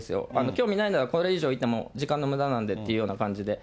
興味ないなら、これ以上いても時間のむだなんでっていう感じで。